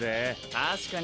確かに。